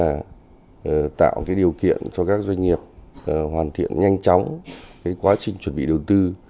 và tạo điều kiện cho các doanh nghiệp hoàn thiện nhanh chóng quá trình chuẩn bị đầu tư